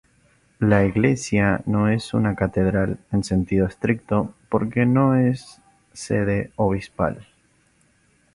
La iglesia no es una catedral en sentido estricto porque no es sede obispal.